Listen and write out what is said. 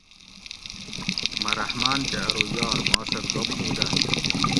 مہۤ رحمٰن کہ ارو یار ما سہۤ گپ مُو دہ